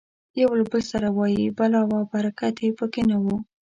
یو له بل سره وایي بلا وه او برکت یې پکې نه و.